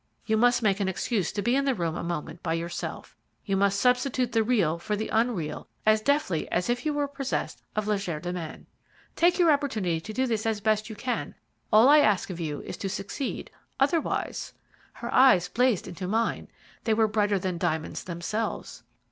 You must make an excuse to be in the room a moment by yourself. You must substitute the real for the unreal as quickly, as deftly as if you were possessed of legerdemain. Take your opportunity to do this as best you can all I ask of you is to succeed otherwise' her eyes blazed into mine they were brighter than diamonds themselves.